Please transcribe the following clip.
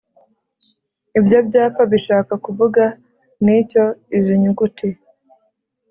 ibyo byapa bishaka kuvuga n’icyo izo nyuguti,